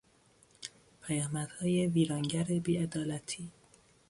پیامدهای ویرانگر بیعدالتی